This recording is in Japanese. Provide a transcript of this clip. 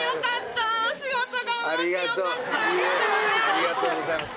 ありがとうございます。